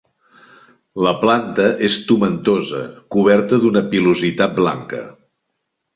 La planta és tomentosa, coberta d'una pilositat blanca.